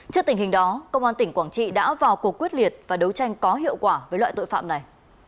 trước tình hình đó công an tỉnh quảng trị đã vào cuộc quyết liệt và đấu tranh có hiệu quả với loại tội phạm này